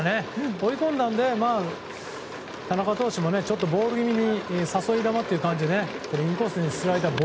追い込んだので田中投手もちょっとボール気味に誘い球という感じでインコースにスライダー。